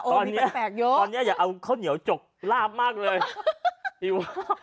โอ้มีแปลกยกตอนนี้อยากเอาข้าวเหนียวจกลาบมากเลยหิว